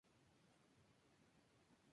Falleció en Copenhague.